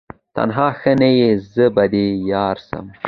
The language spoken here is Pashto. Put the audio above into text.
تنها ښه نه یې زه به دي یارسم